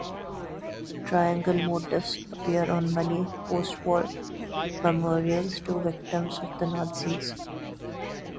Triangle-motifs appear on many postwar memorials to the victims of the Nazis.